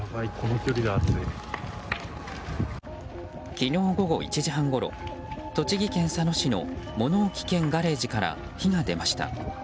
昨日午後１時半ごろ栃木県佐野市の物置兼ガレージから火が出ました。